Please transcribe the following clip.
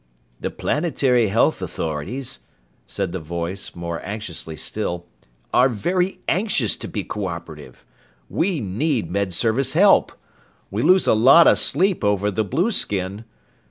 "The planetary health authorities," said the voice, more anxiously still, "are very anxious to be cooperative. We need Med Service help! We lose a lot of sleep over the blueskin!